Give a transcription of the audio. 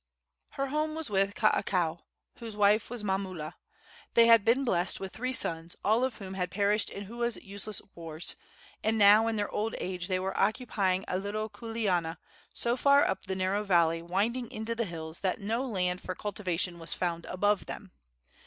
Her home was with Kaakao, whose wife was Mamulu. They had been blessed with three sons, all of whom had perished in Hua's useless wars, and now in their old age they were occupying a little kuleana, so far up the narrow valley winding into the hills that no land for cultivation was found above them.